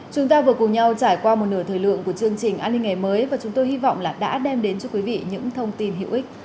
chúng ta vừa cùng nhau trải qua một nửa thời lượng của chương trình an ninh ngày mới và chúng tôi hy vọng là đã đem đến cho quý vị những thông tin hữu ích